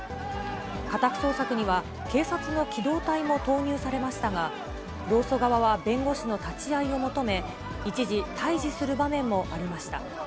家宅捜索には、警察の機動隊も投入されましたが、労組側は弁護士の立ち会いを求め、一時、対じする場面もありました。